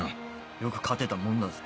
よく勝てたもんだぜ。